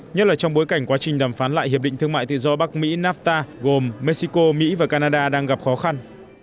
nhất là trong bối cảnh quá trình đàm phán lại hiệp định thương mại tự do bắc mỹ nafta gồm mexico mỹ và canada đang gặp khó khăn